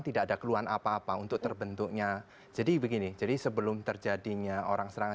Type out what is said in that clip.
tidak ada keluhan apa apa untuk terbentuknya jadi begini jadi sebelum terjadinya orang serangan